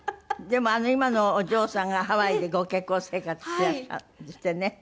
でも今のお嬢さんがハワイでご結婚生活していらっしゃるんですってね。